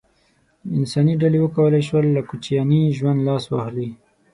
انساني ډلې وکولای شول له کوچیاني ژوند لاس واخلي.